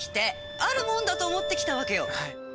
あるもんだと思って来たわけよ。